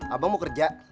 abang mau kerja